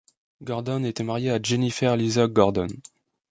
Gordon était marié à Jennifer Lysak Gordon.